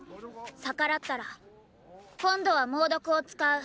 逆らったら今度は猛毒を使う。